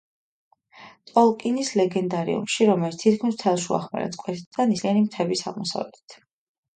ტოლკინის ლეგენდარიუმში, რომელიც თითქმის მთელ შუახმელეთს კვეთდა, ნისლიანი მთების აღმოსავლეთით.